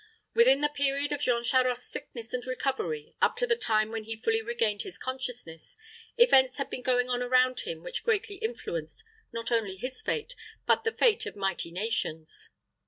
Within the period of Jean Charost's sickness and recovery, up to the time when he fully regained his consciousness, events had been going on around him which greatly influenced, not only his fate, but the fate of mighty nations.